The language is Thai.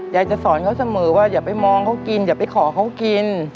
จะสอนเขาเสมอว่าอย่าไปมองเขากินอย่าไปขอเขากิน